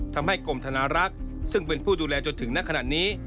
ทำให้กรมธนารักษ์ซึ่งเป็นผู้ดูแลจนถึงณขณะนี้